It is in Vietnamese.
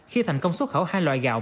khi thành công xuất khẩu hai loại gạo